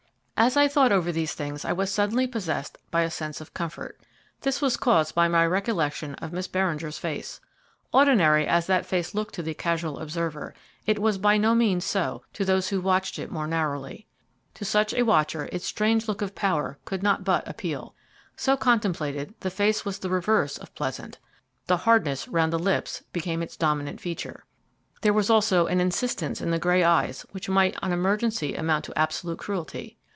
As I thought over these things I was suddenly possessed by a sense of comfort. This was caused by my recollection of Miss Beringer's face. Ordinary as that face looked to the casual observer, it was by no means so to those who watched it more narrowly. To such a watcher its strange look of power could not but appeal. So contemplated, the face was the reverse of pleasant the hardness round the lips became its dominant feature. There was also an insistence in the grey eyes which might on emergency amount to absolute cruelty.